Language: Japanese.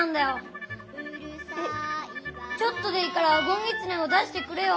ちょっとでいいから「ごんぎつね」を出してくれよ。